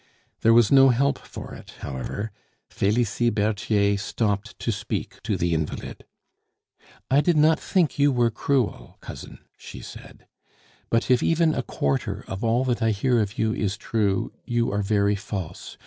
There was no help for it, however; Felicie Berthier stopped to speak to the invalid. "I did not think you were cruel, cousin," she said; "but if even a quarter of all that I hear of you is true, you are very false....